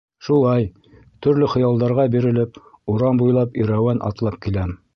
Шулай, төрлө хыялдарға бирелеп, урам буйлап ирәүән атлап киләм.